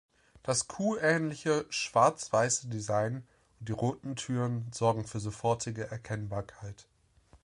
Das „kuhähnliche“ schwarz-weiße Design und die roten Türen sorgen für sofortige Erkennbarkeit.